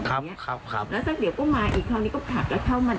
ครับครับแล้วสักเดี๋ยวก็มาอีกคราวนี้ก็ผลักแล้วเข้ามา